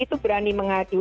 itu berani mengadu